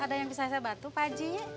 ada yang bisa saya bantu pak haji